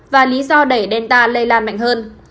và lý do đẩy delta lây lan mạnh hơn